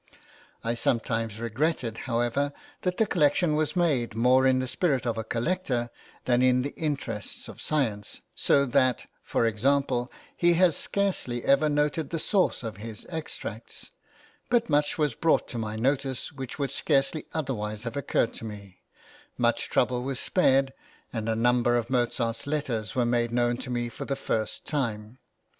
I sometimes regretted, however, that the collection was made more in the spirit of a collector than in the interests of science; so that, for example, he has scarcely ever noted the source of his extracts; but much was brought to my notice which would scarcely otherwise have occurred to me, much trouble was spared, and a number of Mozart's letters were made known to me for the first time.